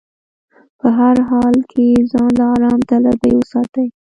په هر حال کې ځان له ارام طلبي وساتي.